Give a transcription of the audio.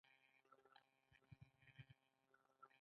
ګوبی ميده وي.